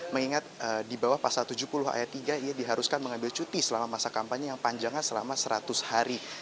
mengingat di bawah pasal tujuh puluh ayat tiga ia diharuskan mengambil cuti selama masa kampanye yang panjangnya selama seratus hari